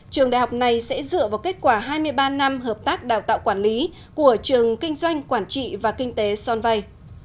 trường đại học này sẽ dựa vào kết quả hai mươi ba năm hợp tác đào tạo quản lý của trường kinh doanh quản trị và kinh tế sonvay